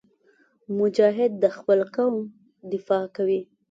مجاهد د خپل قوم دفاع کوي.